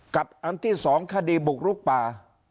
อันที่๒คดีบุกลุกป่า